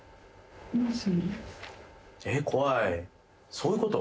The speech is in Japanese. そういうこと？